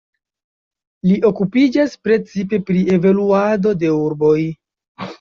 Li okupiĝas precipe pri evoluado de urboj.